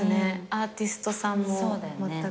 アーティストさんもまったく。